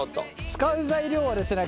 使う材料はですね